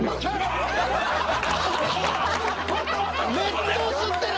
熱湯吸ってる。